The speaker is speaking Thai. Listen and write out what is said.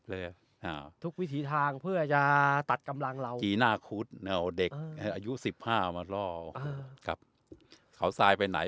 เลยทุกวิถีทางเพื่อจะตัดกำลังเราอีกหน้าครุฑแนวเด็กอายุ๑๕ละคริปเป็นไหน